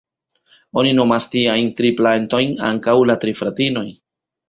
Oni nomas tiajn tri plantojn ankaŭ ""la tri fratinoj"".